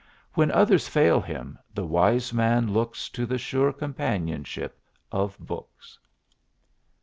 When others fail him, the wise man looks To the sure companionship of books.